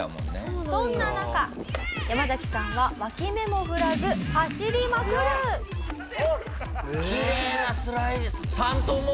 そんな中ヤマザキさんは脇目も振らずきれいなスライディング。